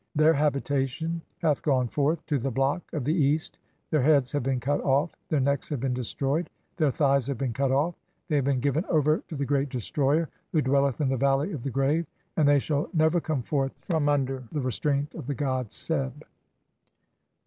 "Their habitation hath gone forth to the block of the East, their "heads have been cut off; (14) their necks have been destroyed; "their thighs have been cut off ; they have been given over to "the Great Destroyer who dwelleth in the valley of the grave ; "and they shall never come forth from under the restraint of "the god Seb."